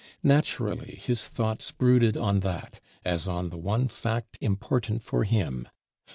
Naturally his thoughts brooded on that, as on the one fact important for him.